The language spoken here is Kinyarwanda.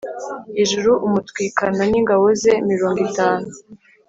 ijuru umutwikana n ingabo ze mirongo itanu